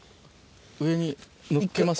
上にのっけます？